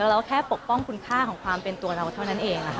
เราแค่ปกป้องคุณค่าของความเป็นตัวเราเท่านั้นเอง